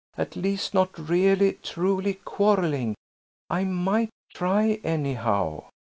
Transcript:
"At least not really, truly quarrelling. I might try anyhow."